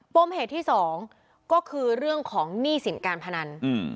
มเหตุที่สองก็คือเรื่องของหนี้สินการพนัน